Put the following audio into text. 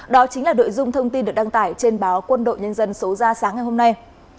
đó chính là nội dung thông tin được đăng tải trên báo quân đội nhân dân số ra sáng ngày hôm nay